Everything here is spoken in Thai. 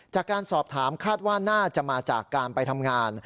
จากการสอบถามคาดว่าน่าจะมาจากการไปทำงาน